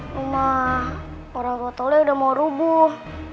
rumah orang tua toleh udah mau rubuh